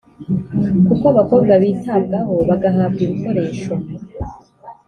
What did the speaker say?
kuko abakobwa bitabwaho, bagahabwa ibikoresho